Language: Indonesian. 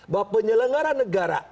bahwa penyelenggaraan negara